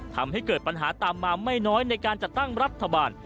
ทำให้เกิดปัญหาตามมาไม่น้อยในการจัดตั้งรัฐบาล